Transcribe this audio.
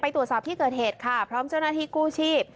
ตรวจสอบที่เกิดเหตุค่ะพร้อมเจ้าหน้าที่กู้ชีพ